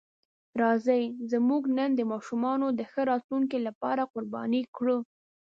راځئ زموږ نن د ماشومانو د ښه راتلونکي لپاره قرباني کړو.